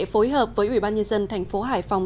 phối hợp với ubnd tp hải phòng